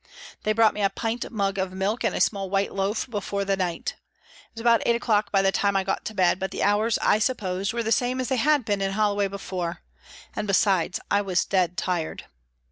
They brought me a pint mug of milk and a small white loaf before the night. It was about eight o'clock by the time I got to bed, but the hours, I supposed, were the same as they had been in Holloway before, and besides, I was dead tired.